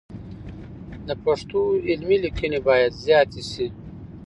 د پښتو علمي لیکنې باید زیاتې سي.